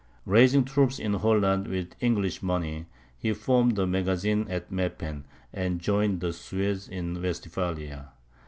Raising troops in Holland with English money, he formed a magazine at Meppen, and joined the Swedes in Westphalia.